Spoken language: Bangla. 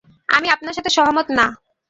আমি আপনার সাথে সহমত না।